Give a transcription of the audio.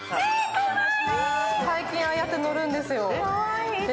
最近、ああやって乗るんですよ。